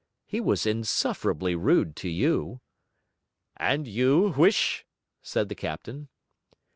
He was insufferably rude to you.' 'And you, Huish?' said the captain.